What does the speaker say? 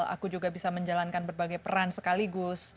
aku juga bisa menjalankan berbagai peran sekaligus